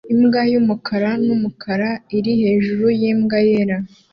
Imbwa yumukara numukara iri hejuru yimbwa yera